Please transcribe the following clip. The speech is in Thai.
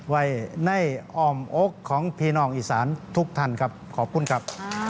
ไว้ในอ้อมอกของพี่น้องอีสานทุกท่านครับขอบคุณครับ